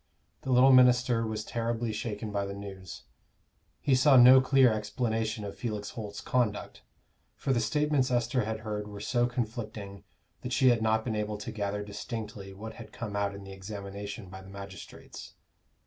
The little minister was terribly shaken by the news. He saw no clear explanation of Felix Holt's conduct; for the statements Esther had heard were so conflicting that she had not been able to gather distinctly what had come out in the examination by the magistrates.